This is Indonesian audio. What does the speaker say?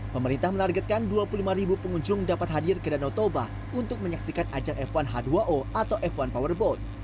pemerintah menargetkan dua puluh lima ribu pengunjung dapat hadir ke danau toba untuk menyaksikan ajang f satu h dua o atau f satu powerboat